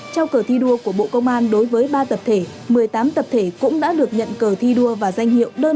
trao cờ thi đua của bộ công an đối với ba tập thể một mươi tám tập thể cũng đã được nhận cờ thi đua và danh hiệu đơn